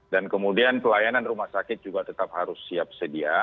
dan kemudian pelayanan rumah sakit juga tetap harus siap sedia